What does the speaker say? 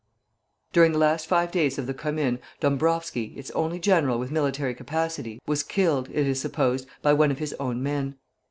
During the last five days of the Commune, Dombrowski, its only general with military capacity, was killed, it is supposed, by one of his own men.